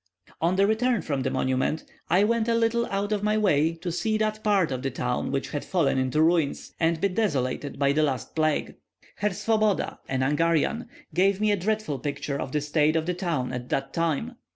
On the return from this monument, I went a little out of my way to see that part of the town which had fallen into ruins, and been desolated by the last plague. Herr Swoboda, an Hungarian, gave me a dreadful picture of the state of the town at that time.